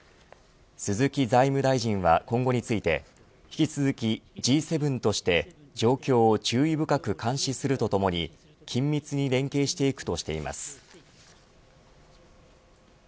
鈴木財務大臣は今後について引き続きＧ７として状況を注意深く監視するとともに緊密に連携していくとしています。